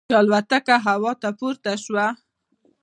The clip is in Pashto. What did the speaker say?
چې الوتکه هوا ته پورته شوه.